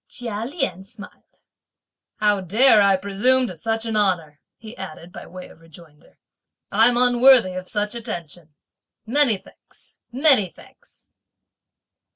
Chia Lien smiled. "How dare I presume to such an honour," he added by way of rejoinder; "I'm unworthy of such attention! Many thanks, many thanks."